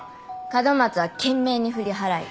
門松は懸命に振り払い